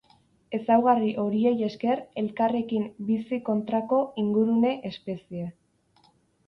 Ezaugarri horiei esker elkarrekin bizi kontrako ingurune espezie.